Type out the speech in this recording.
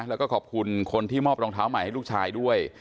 แล้วก็ขอบคุณคนที่มอบรองเท้าใหม่ให้ลูกชายด้วย